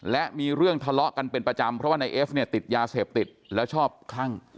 และมีเรื่องทะเลาะกันเป็นประจำเพราะว่านายเอฟเนี่ยติดยาเสพติดแล้วชอบคลั่ง